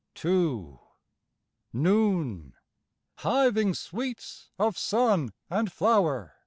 II Noon, hiving sweets of sun and flower.